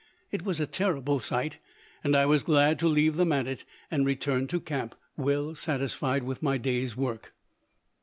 It was a terrible sight, and I was glad to leave them at it and return to camp, well satisfied with my day's work.